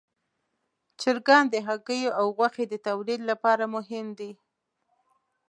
چرګان د هګیو او غوښې د تولید لپاره مهم دي.